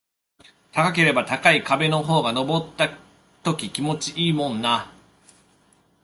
高ければ高い壁の方が登った時気持ちいいもんな